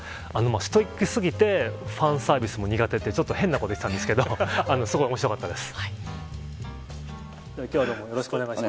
ストイックすぎてファンサービスも苦手という変なこと言ってましたけどすごい面白かったです。